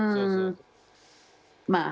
まあ